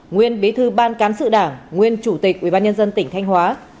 nguyên bí thư ban cán sự đảng nguyên chủ tịch ubnd tỉnh thanh hóa